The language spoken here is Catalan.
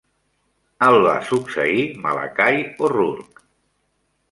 El va succeir Malachy O'Rourke.